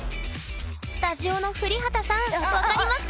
スタジオの降幡さん分かりますか？